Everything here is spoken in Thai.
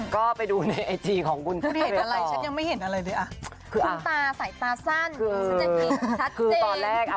ก็ไปดูในไอจีของคุณผมเลยค่ะ